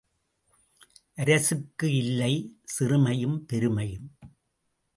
அரசுக்கு இல்லை சிறுமையும் பெருமையும்.